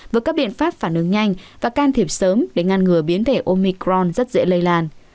với các biện pháp phản ứng nhanh và can thiệp sớm để ngăn ngừa biến thể omicron rất dễ lây lan